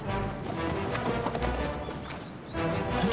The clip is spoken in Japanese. えっ。